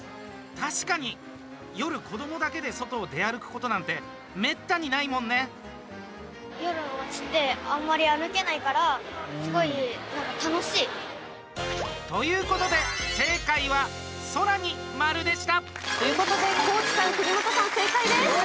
確かに夜、子どもだけで外を出歩くことなんてめったにないもんね。ということで正解は空に丸でした！ということで高地さん、国本さん、正解です。